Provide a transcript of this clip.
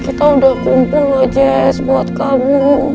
kita udah kumpul lho jess buat kamu